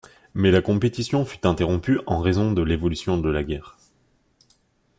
Mais la compétition fut interrompue en raison de l’évolution de la guerre.